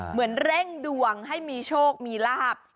เหมือนเร่งดวงให้มีโชคมีลาบ